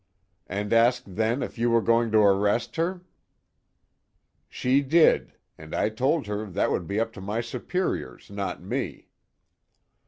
"And asked then if you were going to arrest her?" "She did, and I told her that would be up to my superiors, not me."